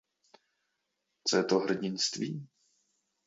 Co je to za hrdinství?